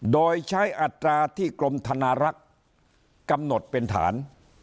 โดยใช้อัตราที่กรมธนารักษ์กำหนดเป็นฐาน